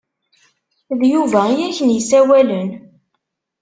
D Yuba i ak-n-isawalen.